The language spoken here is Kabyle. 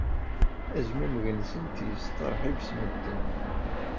Azmumeg-nsent yesteṛḥib s medden.